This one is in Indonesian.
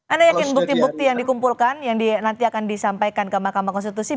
anda yakin bukti bukti yang dikumpulkan yang nanti akan disampaikan ke mahkamah konstitusi